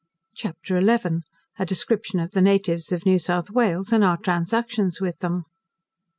CHAPTER XI A Description of the Natives of New South Wales, and our Transactions with them.